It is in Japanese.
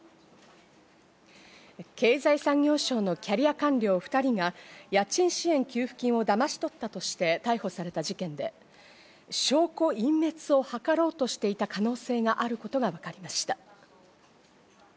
経済産業省のキャリア官僚２人が家賃支援給付金をだまし取ったとして逮捕された事件で、証拠隠滅を図ろうとしていた可能性があることがわかりました。